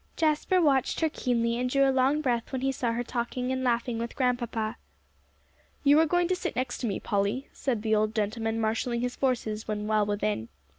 Jasper watched her keenly, and drew a long breath when he saw her talking and laughing with Grandpapa. "You are going to sit next to me, Polly," said the old gentleman, marshalling his forces when well within.